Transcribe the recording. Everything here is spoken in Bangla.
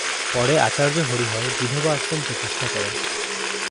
পরে আচার্য হরিহর "বিধবা আশ্রম" প্রতিষ্ঠা করেন।